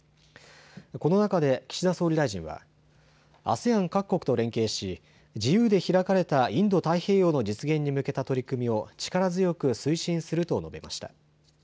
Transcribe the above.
この中で岸田総理大臣はＡＳＥＡＮ各国と連携し自由で開かれたインド太平洋の実現に向けた取り組みを力強く推進すると述べました。